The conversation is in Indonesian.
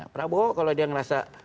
prabowo kalau dia merasa